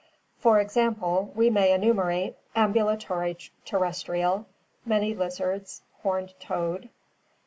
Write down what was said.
For example, we may enumerate: Ambulatory terrestrial: many lizards, horned toad.